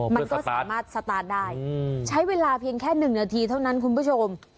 มันก็สามารถสตาร์ทได้ใช้เวลาเพียงแค่๑นาทีเท่านั้นคุณผู้ชม